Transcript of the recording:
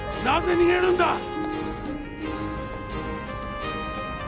なぜ逃げるんだ！？